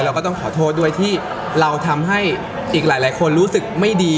เราก็ต้องขอโทษด้วยที่เราทำให้อีกหลายคนรู้สึกไม่ดี